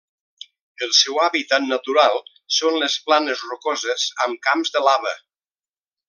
El seu hàbitat natural són les planes rocoses amb camps de lava.